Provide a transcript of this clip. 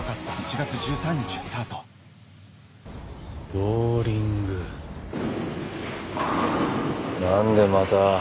ボウリング何でまた？